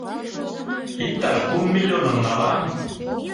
Иктаж кум миллионым налам.